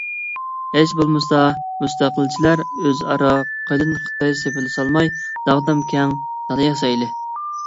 ھېچ بولمىسا مۇستەقىلچىلەر ئۆز- ئارا قېلىن خىتاي سېپىلى سالماي، داغدام كەڭ دالا ياسايلى.